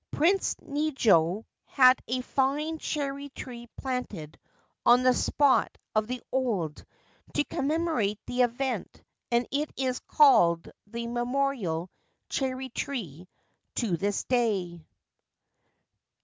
Prince Nijo had a fine young cherry tree planted on the spot of the old to commemorate the event, and it is called the * Memorial Cherry Tree ' to this day.